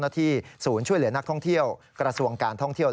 มาวิ่งหนีวิ่งหนี